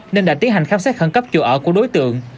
nên đã tiến hành khám xét khẩn cấp chỗ ở của đối tượng